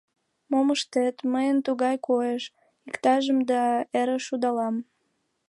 Мом ыштет — мыйын тугай койыш: иктажым да эре шудалам.